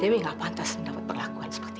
dewi nggak pantas mendapat perlakuan seperti ini